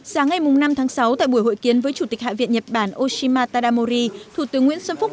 sáng ngày năm tháng sáu tại buổi hội kiến với chủ tịch hạ viện nhật bản oshima tadamori thủ tướng nguyễn xuân phúc